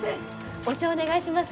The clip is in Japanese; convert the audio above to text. お茶お願いします。